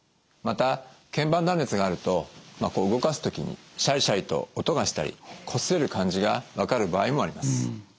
また腱板断裂があるとこう動かす時にシャリシャリと音がしたりこすれる感じが分かる場合もあります。